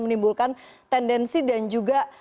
menimbulkan tendensi dan juga